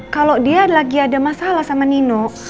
kalau dia lagi ada masalah sama nino